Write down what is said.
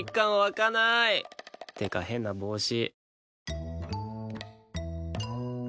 ってか変な帽子